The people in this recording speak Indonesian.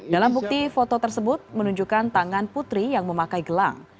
dalam bukti foto tersebut menunjukkan tangan putri yang memakai gelang